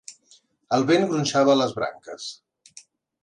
El vent gronxava les branques.